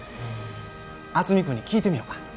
渥美君に聞いてみよか。